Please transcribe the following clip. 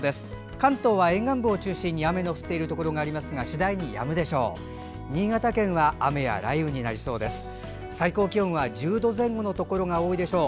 関東は沿岸部を中心に、雨の降っているところがありますが次第にやむでしょう。